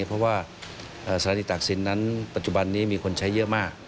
เพราะว่าสถานีตากศิลปนั้นปัจจุบันนี้มีคนใช้เยอะมาก